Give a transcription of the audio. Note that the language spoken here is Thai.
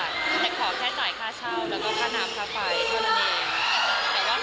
แต่ขอแค่จ่ายค่าเช่าแล้วก็ค่าน้ำค่าไฟเท่านั้นเอง